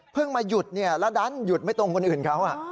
มาหยุดแล้วดันหยุดไม่ตรงคนอื่นเขา